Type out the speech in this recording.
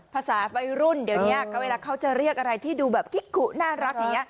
ภาษาวัยรุ่นเดี๋ยวนี้เวลาเขาจะเรียกอะไรที่ดูแบบกิ๊กขุน่ารักอย่างนี้